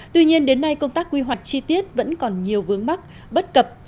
tuy nhiên đến nay công tác quy hoạch chi tiết vẫn còn nhiều vướng mắc bất cập